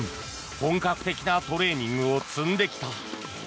本格的なトレーニングを積んできた。